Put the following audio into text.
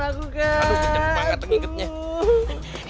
aduh kenceng banget ngingetnya